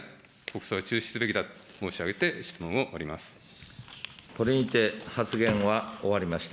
国葬は中止すべきだと申し上げて質問を終わります。